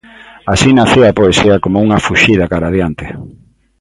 Así nacía a poesía como unha fuxida cara a adiante.